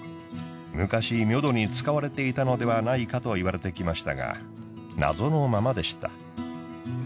昔ミョドに使われていたのではないかといわれてきましたが謎のままでした。